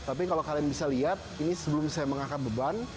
tapi kalau kalian bisa lihat ini sebelum saya mengangkat beban